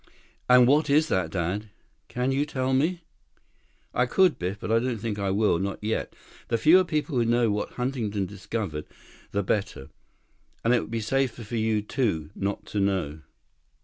"And what is that, Dad? Can you tell me?" 50 "I could, Biff, but I don't think I will—not yet. The fewer people who know what Huntington discovered, the better. And it would be safer for you, too, not to know."